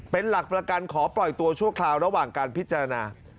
เป็นหลักประกันขอปล่อยตัวชั่วคราวระหว่างการพิจารณา